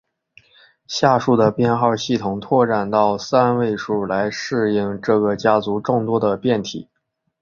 下述的编号系统拓展到三位数来适应这个家族众多的变体。